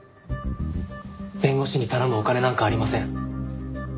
弁護士に頼むお金なんかありません。